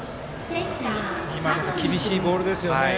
今のも厳しいボールですね。